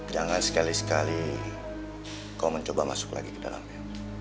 jangan sekali sekali kau mencoba masuk lagi ke dalamnya